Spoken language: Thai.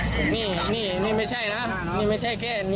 บอกไปเลยเดี๋ยวพี่นี่นี่ป่ะไปบอกไปอะไร